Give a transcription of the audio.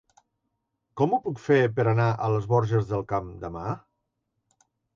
Com ho puc fer per anar a les Borges del Camp demà?